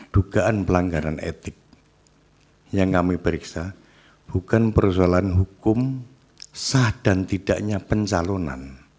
dugaan pelanggaran etik yang kami periksa bukan persoalan hukum sah dan tidaknya pencalonan